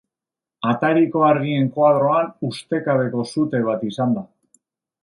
Atariko argien koadroan ustekabeko sute bat izan da.